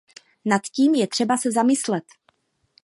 Nad tím je třeba se zamyslet.